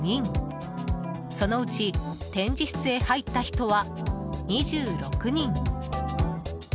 そのうち展示室へ入った人は２６人。